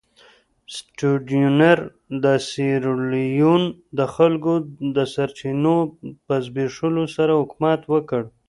سټیونز د سیریلیون د خلکو د سرچینو په زبېښلو سره حکومت وکړ.